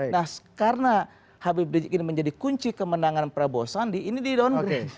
nah karena habib rizik ini menjadi kunci kemenangan prabowo sandi ini di downgrade